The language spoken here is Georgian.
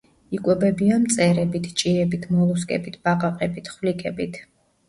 იკვებებიან მწერებით, ჭიებით, მოლუსკებით, ბაყაყებით, ხვლიკებით.